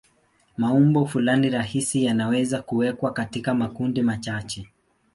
Maumbo fulani rahisi yanaweza kuwekwa katika makundi machache.